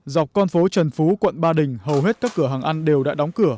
dọc con phố trần phú quận ba đình hầu hết các cửa hàng ăn đều đã đóng cửa